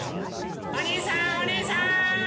おにいさんおねえさん！